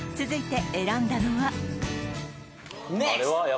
続いて選んだのはあれは？